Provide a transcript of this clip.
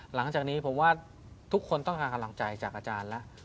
หลังจากนี้ผมว่าทุกคนต้องการกำลังใจจากอาจารย์แล้ว